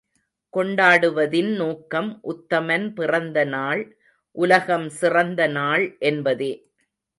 கொண்டாடுவதின் நோக்கம் உத்தமன் பிறந்த நாள், உலகம் சிறந்த நாள் என்பதே.